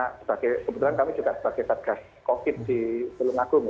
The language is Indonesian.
kebetulan kami juga sebagai pedagang covid di tolong agung ya